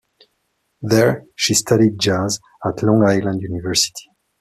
There she studied jazz at Long Island University.